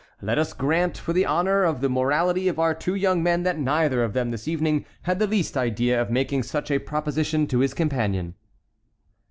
Let us grant for the honor of the morality of our two young men that neither of them this evening had the least idea of making such a proposition to his companion.